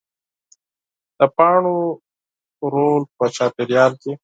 د پاڼو رول په چاپېریال کې